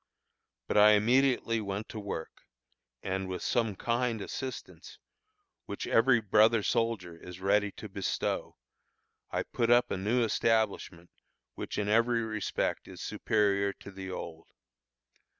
But I immediately went to work, and with some kind assistance, which every brother soldier is so ready to bestow, I put up a new establishment which in every respect is superior to the old.